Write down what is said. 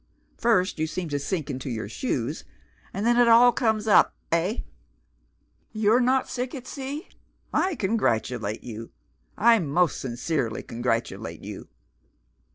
First you seem to sink into your shoes, and then it all comes up eh? You're not sick at sea? I congratulate you! I most sincerely congratulate you!